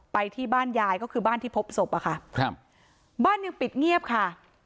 ไปที่บ้านยายก็คือบ้านที่พบศพอะค่ะครับบ้านยังปิดเงียบค่ะ